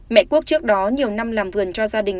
mẹ quốc trước đó nhiều năm làm vườn cho gia đình